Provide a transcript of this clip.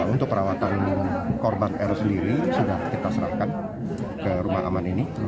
untuk perawatan korban r sendiri sudah kita serahkan ke rumah aman ini